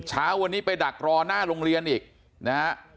เช้าวันนี้ไปดักรอหน้าโรงเรียนอีกนะฮะ